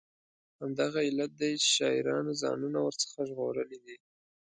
همدغه علت دی چې شاعرانو ځانونه ور څخه ژغورلي دي.